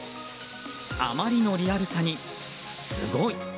あまりのリアルさに、すごい！